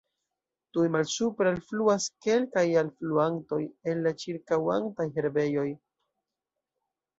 Tuj malsupre alfluas kelkaj alfluantoj el la ĉirkaŭantaj herbejoj.